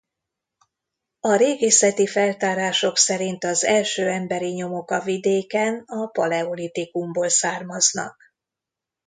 A régészeti feltárások szerint az első emberi nyomok a vidéken a paleolitikumból származnak.